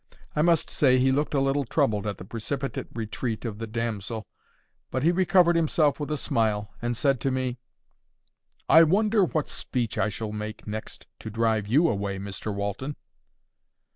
I must say he looked a little troubled at the precipitate retreat of the damsel; but he recovered himself with a smile, and said to me, "I wonder what speech I shall make next to drive you away, Mr Walton."